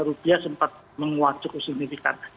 rupiah sempat menguat cukup signifikan